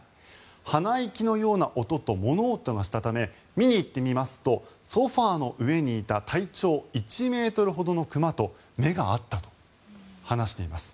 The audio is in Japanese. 鼻息のような音と物音がしたため見に行ってみますとソファの上にいた体長１ｍほどの熊と目が合ったと話しています。